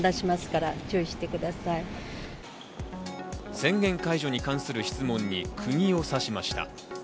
宣言解除に関する質問に釘を刺しました。